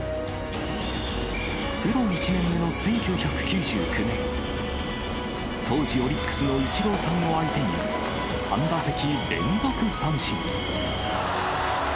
プロ１年目の１９９９年、当時、オリックスのイチローさんを相手に、３打席連続三振。